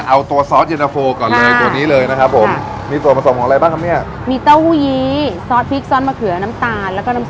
เอาตัวซอสเย็นโนโฟก่อนเลยคนนี้เลยนะครับผม